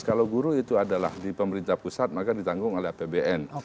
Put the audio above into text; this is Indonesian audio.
kalau guru itu adalah di pemerintah pusat maka ditanggung oleh apbn